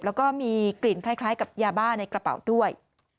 แล้วก็มีกลิ่นคล้ายกับยาบ้าในกระเป๋าด้วย